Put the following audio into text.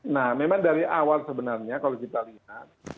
nah memang dari awal sebenarnya kalau kita lihat